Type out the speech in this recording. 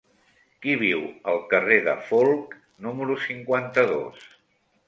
Qui viu al carrer de Folc número cinquanta-dos?